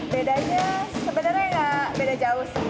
bedanya sebenarnya nggak beda jauh sih